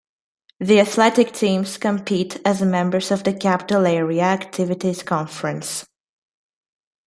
The athletic teams compete as members of the Capital Area Activities Conference.